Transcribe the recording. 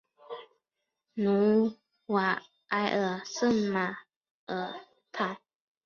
努瓦埃尔圣马尔坦。